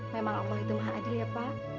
memang allah itu maha adil ya pak